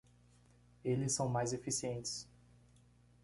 Eles são mais eficientes